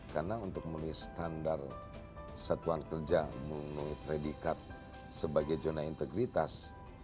karena untuk memenuhi standar satuan kerja memenuhi predikat sebagai zona integritas